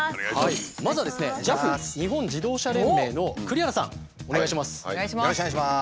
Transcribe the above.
まずはですねＪＡＦ日本自動車連盟の栗原さんお願いします。